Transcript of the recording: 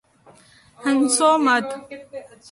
ہنسو مت